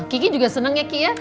kiki juga senang ya ki ya